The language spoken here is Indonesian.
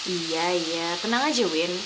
iya iya tenang aja win